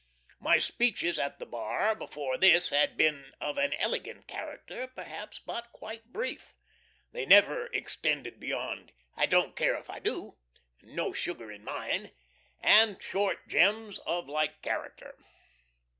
My speeches at the Bar before this had been of an elegant character, perhaps, but quite brief. They never extended beyond "I don't care if I do," "No sugar in mine," And short gems of a like character.